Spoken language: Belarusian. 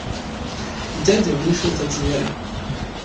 Дзядзя выйшаў за дзверы.